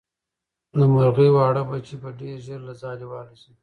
د مرغۍ واړه بچي به ډېر ژر له ځالې والوځي.